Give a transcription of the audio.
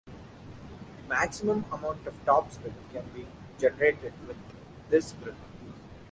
The maximum amount of topspin can be generated with this grip.